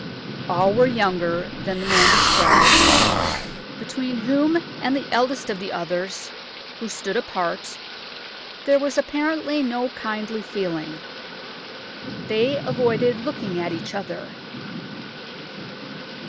All were younger than the man described, between whom and the eldest of the others, who stood apart, there was apparently no kindly feeling. They avoided looking at each other.